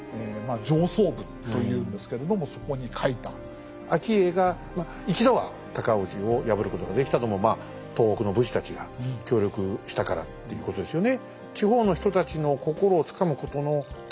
でだけど顕家が一度は尊氏を破ることができたのも東北の武士たちが協力したからということですよね。